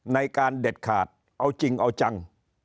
ในการเด็ดขาดเอาจริงเอาจัง